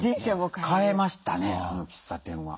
変えましたねあの喫茶店は。